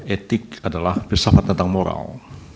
etik adalah filsafat tentang moral